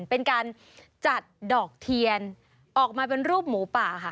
เป็นการจัดดอกเทียนออกมาเป็นรูปหมูป่าค่ะ